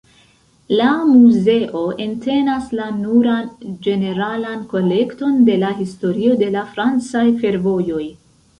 La muzeo entenas la nuran ĝeneralan kolekton de la historio de la francaj fervojoj.